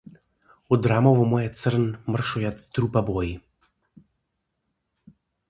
Од рамово мое црн мршојад трупја брои.